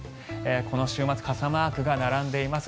この週末傘マークが並んでいます。